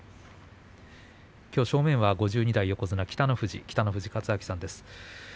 きょう正面は５２代横綱の北の富士、北の富士勝昭さんです。